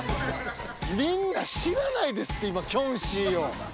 みんな知らないですって今キョンシーを。